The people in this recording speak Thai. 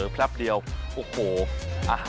ไม่รอชาติเดี๋ยวเราลงไปพิสูจน์ความอร่อยกันครับ